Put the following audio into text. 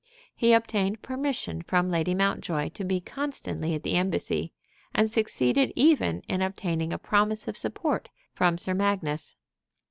He obtained permission from Lady Mountjoy to be constantly at the Embassy, and succeeded even in obtaining a promise of support from Sir Magnus.